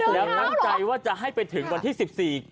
แล้วตั้งใจว่าจะให้ไปถึงวันที่๑๔